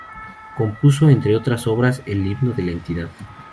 Compuso, entre otras obras, el himno de la entidad.